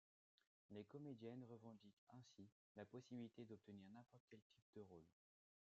Les comédiennes revendiquent ainsi la possibilité d'obtenir n'importe quel type de rôle.